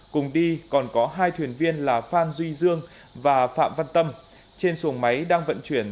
cùng đi còn có hai thuyền viên là phan duy dương và phạm văn tâm trên xuồng máy đang vận chuyển